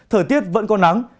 thời tiết vẫn có nắng